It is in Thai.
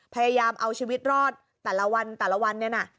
พยายามเอาชีวิตรอดแต่ละวันนี่นะ